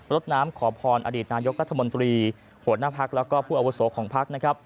รดน้ำขอพรอดีตนายกรัฐมนตรีหัวหน้าภักดิ์และผู้อวโสของภักดิ์